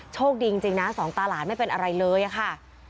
โชคดีจริงนะสองตาหลานไม่เป็นอะไรเลยอะค่ะ